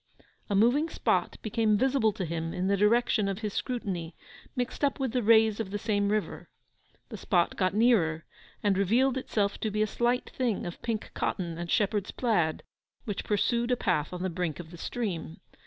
A moving spot became visible to him in the direction of his scrutiny, mixed up with the rays of the same river. The spot got nearer, and revealed itself to be a slight thing of pink cotton and shepherd's plaid, which pursued a path on the brink of the stream.